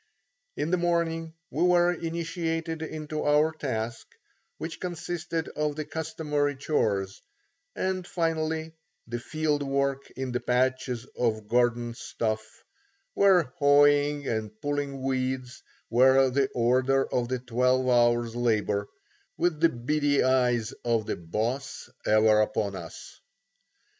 In the morning we were initiated into our task, which consisted of the customary chores, and finally, the field work in the patches of garden stuff, where hoeing and pulling weeds were the order of the twelve hours labour, with the beady eyes of the "Boss" ever upon us.